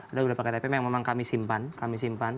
ada beberapa ktp yang memang kami simpan kami simpan